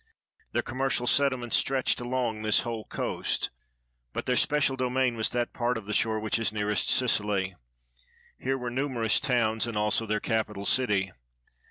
Their commercial settlements stretched along this whole coast, but their special domain was that part of the shore which is nearest Sicily. Here were numerous towns and also their capital city.